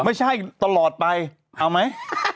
ไม่ใช่ตลอดไปเอาไหม